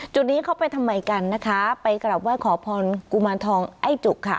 จุดนี้เขาไปทำไมกันนะคะไปกลับไหว้ขอพรกุมารทองไอ้จุกค่ะ